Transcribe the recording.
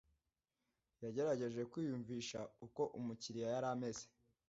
Yagerageje kwiyumvisha uko umukiriya yari ameze.